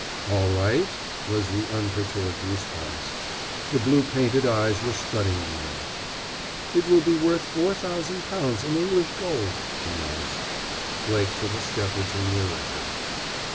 "All right," was the unperturbed response. The blue painted eyes were studying him. "It will be worth four thousand pounds, in English gold," she announced. Blake took a step or two nearer her.